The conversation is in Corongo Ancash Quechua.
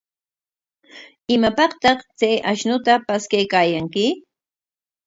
¿Imapaqtaq chay ashnuta paskaykaayanki?